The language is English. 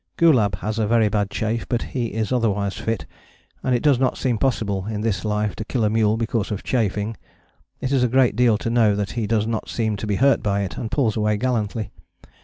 Gulab has a very bad chafe, but he is otherwise fit and it does not seem possible in this life to kill a mule because of chafing. It is a great deal to know that he does not seem to be hurt by it, and pulls away gallantly.